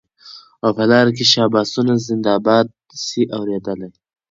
او په لار کي شاباسونه زنده باد سې اورېدلای